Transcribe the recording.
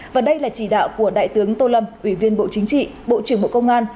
và đây là chỉ đạo của đại tướng tô lâm ủy viên bộ chính trị bộ trưởng bộ công an